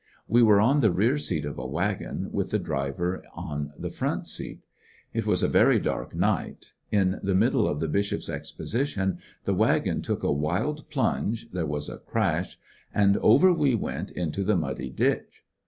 We were on the rear seat of a wagon, with the driver on the front seat. It was a very dark 193 ^ecolCecti(H)s of a night In the middle of the bishop's exposi tion, the wagon took a wild plunge, there was a crash; and over we went into the mnddy ditch.